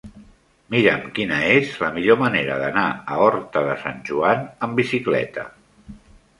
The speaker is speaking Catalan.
Mira'm quina és la millor manera d'anar a Horta de Sant Joan amb bicicleta.